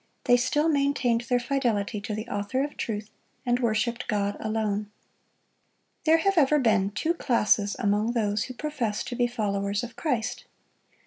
They still maintained their fidelity to the Author of truth, and worshiped God alone. There have ever been two classes among those who profess to be followers of Christ.